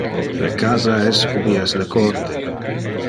Le casa es ubi es le corde.